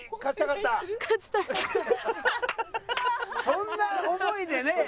そんな思いでね